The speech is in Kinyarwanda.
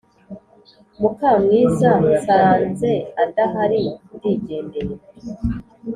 mukamwiza nsanzeadahari ndigendeye